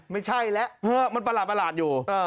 ไม่ใช่แล้วมันประหลาดอยู่